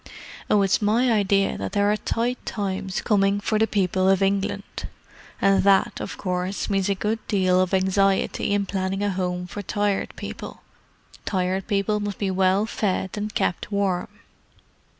Oh, it's my idea that there are tight times coming for the people of England. And that, of course, means a good deal of anxiety in planning a Home for Tired People. Tired People must be well fed and kept warm."